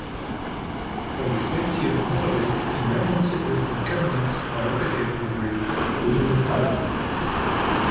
For the safety of motorists, emergency telephone cabinets are located every within the tunnel.